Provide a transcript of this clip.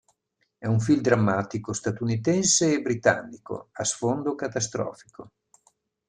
È un film drammatico statunitense e britannico a sfondo catastrofico.